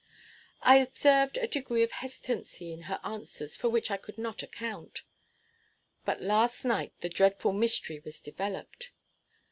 I observed a degree of hesitancy in her answers for which I could not account. But last night the dreadful mystery was developed.